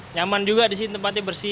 nyaman juga di sini tempatnya bersih